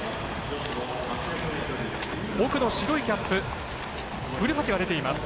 奥の白いキャップ古八が出ています。